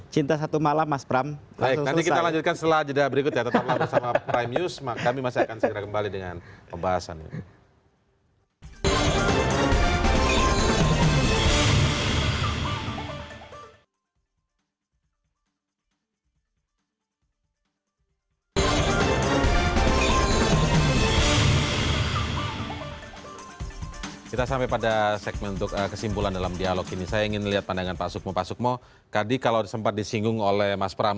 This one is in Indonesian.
cinta satu malam mas pram